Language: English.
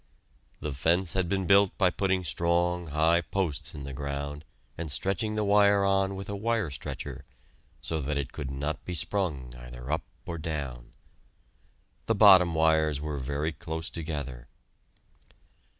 The fence had been built by putting strong, high posts in the ground and stretching the wire on with a wire stretcher, so that it could not be sprung either up or down. The bottom wires were very close together.